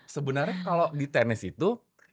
sebenarnya kalau di tenis itu